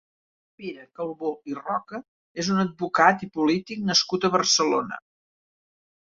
Pere Calbó i Roca és un advocat i polític nascut a Barcelona.